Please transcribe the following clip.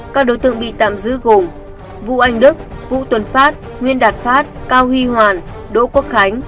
các đối tượng bị tạm giữ gồm vũ anh đức vũ tuần phát nguyên đạt phát cao huy hoàn đỗ quốc khánh